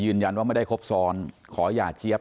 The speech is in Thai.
ยืนยันว่าไม่ได้ครบซ้อนขอหย่าเจี๊ยบ